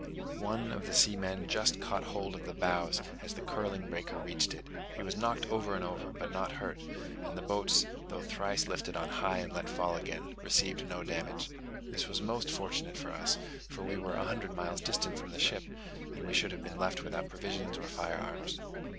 One of the seamen just caught hold of the bows, as the curling breaker reached it: he was knocked over and over, but not hurt, and the boats though thrice lifted on high and let fall again, received no damage. This was most fortunate for us, for we were a hundred miles distant from the ship, and we should have been left without provisions or fire arms.